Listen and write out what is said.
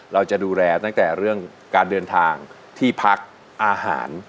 เราจะดูแลตั้งแต่เรื่องการเดินทางที่พักอาหาร